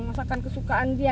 masakan kesukaan dia